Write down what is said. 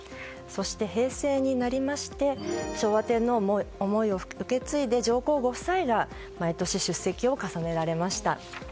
そして平成になりまして昭和天皇も思いを受け継いで上皇ご夫妻が毎年出席を重ねられました。